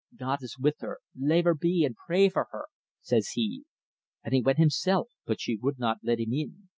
God is with her lave her be, and pray for her,' says he. An' he wint himself, but she would not let him in.